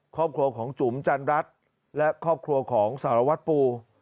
ครอบครัวของจุ๋มจันรัฐและครอบครัวของสารวัตรปู